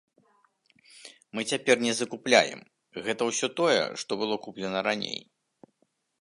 Мы цяпер не закупляем, гэта ўсё тое, што было куплена раней.